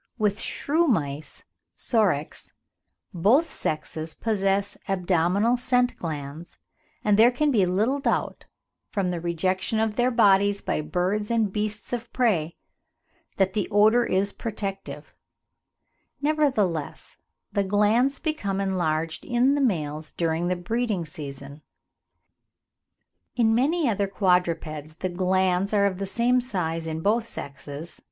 With shrew mice (Sorex) both sexes possess abdominal scent glands, and there can be little doubt, from the rejection of their bodies by birds and beasts of prey, that the odour is protective; nevertheless, the glands become enlarged in the males during the breeding season. In many other quadrupeds the glands are of the same size in both sexes (9.